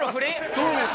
そうですよ。